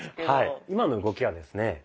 今の動きはですね